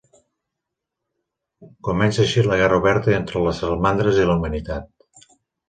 Comença així la guerra oberta entre les salamandres i la humanitat.